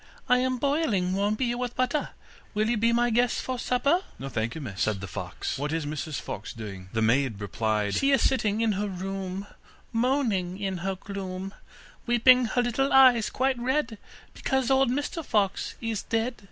I am boiling warm beer with butter, Will you be my guest for supper?' 'No, thank you, miss,' said the fox, 'what is Mrs Fox doing?' The maid replied: 'She is sitting in her room, Moaning in her gloom, Weeping her little eyes quite red, Because old Mr Fox is dead.